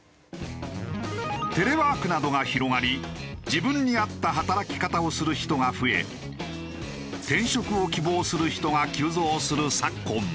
テレワークなどが広がり自分に合った働き方をする人が増え転職を希望する人が急増する昨今。